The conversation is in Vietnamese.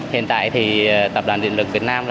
hiện tại tập đoàn điện lực việt nam